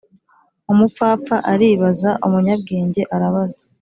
umupfapfa aribaza, umunyabwenge arabaza.